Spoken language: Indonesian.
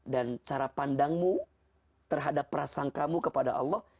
dan cara pandangmu terhadap perasaan kamu kepada allah